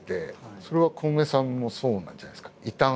それはコウメさんもそうなんじゃないですか？